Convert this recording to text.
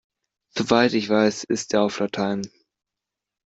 Soweit ich weiß ist er auf Latein.